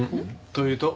というと？